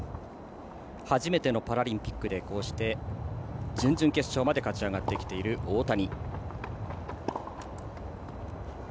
初めてのパラリンピックでこうして準々決勝まで勝ち上がってきている大谷。